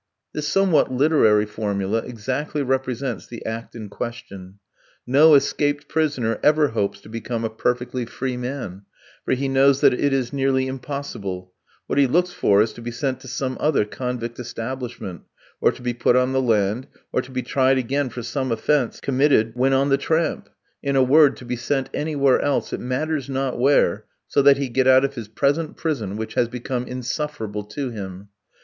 This somewhat literary formula exactly represents the act in question. No escaped prisoner ever hopes to become a perfectly free man, for he knows that it is nearly impossible; what he looks for is to be sent to some other convict establishment, or to be put on the land, or to be tried again for some offence committed when on the tramp; in a word, to be sent anywhere else, it matters not where, so that he get out of his present prison which has become insufferable to him.